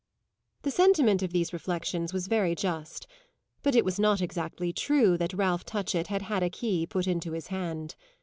The sentiment of these reflexions was very just; but it was not exactly true that Ralph Touchett had had a key put into his hand.